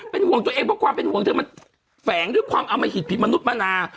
เป็นห่วงตัวเองเพราะความเป็นห่วงเธอมันแฝงด้วยความอมหิตผิดมนุษย์มนา